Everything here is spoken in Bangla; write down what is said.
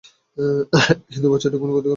কিন্তু বাচ্চাটির কোন ক্ষতি করো না।